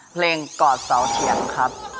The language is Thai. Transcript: เพลงกอดเสาเถียงครับ